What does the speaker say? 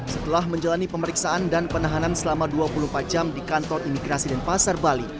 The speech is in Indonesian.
setelah menjalani pemeriksaan dan penahanan selama dua puluh empat jam di kantor imigrasi dan pasar bali